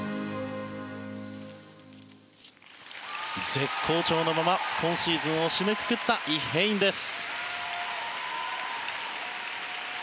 絶好調のまま今シーズンを締めくくったイ・ヘインです。